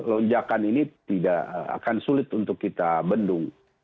lonjakan ini tidak akan sulit untuk kita bendung